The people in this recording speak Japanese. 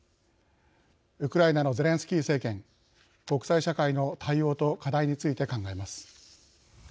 ウクライナのゼレンスキー政権国際社会の対応と課題について考えます。